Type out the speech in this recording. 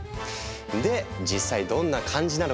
で実際どんな感じなのか。